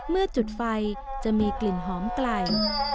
จุดไฟจะมีกลิ่นหอมไกล